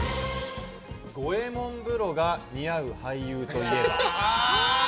五右衛門風呂が似合う俳優といえば？